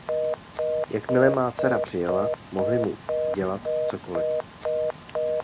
Jakmile má dcera přijela, mohli mu dělat cokoli.